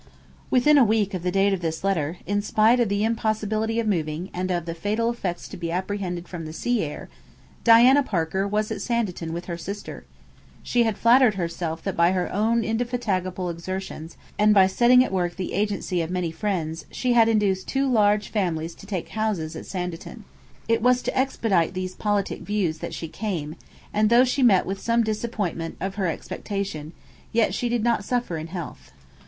Within a week of the date of this letter, in spite of the impossibility of moving, and of the fatal effects to be apprehended from the sea air, Diana Parker was at Sanditon with her sister. She had flattered herself that by her own indefatigable exertions, and by setting at work the agency of many friends, she had induced two large families to take houses at Sanditon. It was to expedite these politic views that she came; and though she met with some disappointment of her expectation, yet she did not suffer in health.